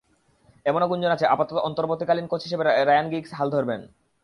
এমনও গুঞ্জন আছে, আপাতত অন্তর্বর্তীকালীন কোচ হিসেবে রায়ান গিগস হাল ধরবেন।